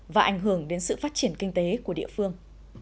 và ảnh hưởng đến sự phát triển kinh tế của địa phương